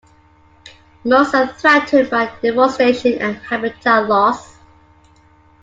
Most are threatened by deforestation and habitat loss.